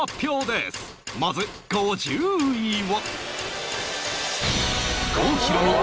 まず５０位は